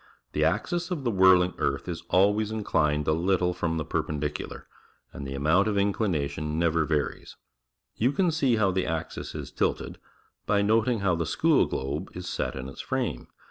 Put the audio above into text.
The axis o f the whirling earth is always incl ijied a lit tle frorn the pprppridiciilar, and the amount of inclina tion never varies. You can see how the axis is tilted, by noting how the school globe is set in its frame.